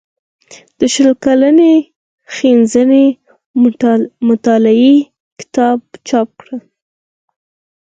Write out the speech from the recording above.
د شل کلنې څيړنيزې مطالعې کتاب چاپ کړ